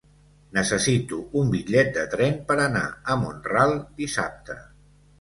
Necessito un bitllet de tren per anar a Mont-ral dissabte.